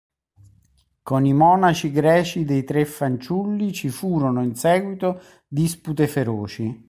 Con i monaci greci dei Tre Fanciulli ci furono in seguito dispute feroci.